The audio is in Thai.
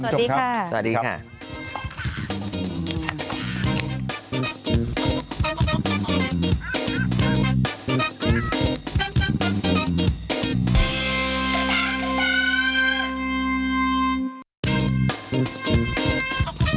สวัสดีค่ะ